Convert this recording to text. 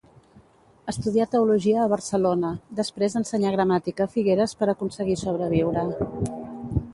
Estudià teologia a Barcelona, després ensenyà gramàtica a Figueres per aconseguir sobreviure.